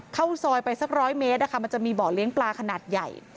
เข้าซอยไปสัก๑๐๐เมตรมันจะมีบ่อเลี้ยงปลาขนาดใหญ่